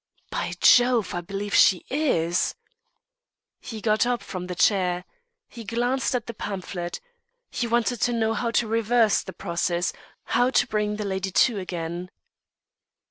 "By Jove! I believe she is!" He got up from the chair. He glanced at the pamphlet. He wanted to know how to reverse the process how to bring the lady to again.